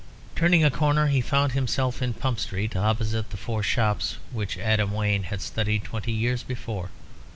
Turning a corner, he found himself in Pump Street, opposite the four shops which Adam Wayne had studied twenty years before.